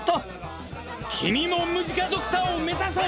君もムジカドクターを目指そう！